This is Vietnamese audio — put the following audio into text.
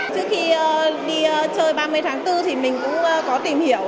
trước khi đi chơi ba mươi tháng bốn thì mình cũng có tìm hiểu